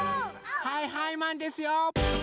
はいはいマンですよ！